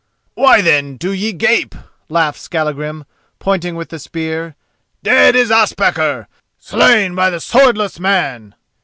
"Why, then, do ye gape?" laughed Skallagrim, pointing with the spear. "Dead is Ospakar!—slain by the swordless man!